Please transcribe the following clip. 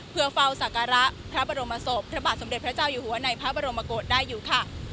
เพื่อเฝ้าศักระพระบรมศพพระบาทสมเด็จพระเจ้าอยู่หัวในพระบรมกฏได้อยู่ค่ะ